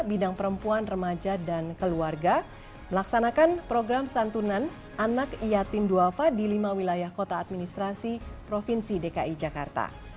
bidang perempuan remaja dan keluarga melaksanakan program santunan anak yatim duafa di lima wilayah kota administrasi provinsi dki jakarta